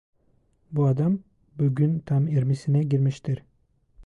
Bu adam, bugün tam yirmisine girmiştir…